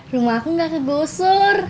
rumah aku ga sebusur